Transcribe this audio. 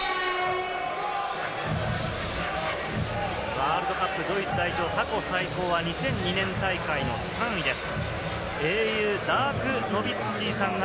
ワールドカップドイツ代表、過去最高は２００２年大会の３位です。